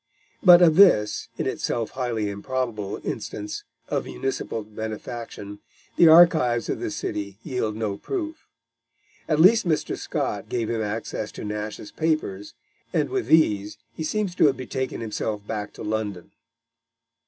But of this, in itself highly improbable, instance of municipal benefaction, the archives of the city yield no proof. At least Mr. Scott gave him access to Nash's papers, and with these he seems to have betaken himself back to London.